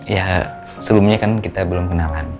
ya sebelumnya kan kita belum kenalan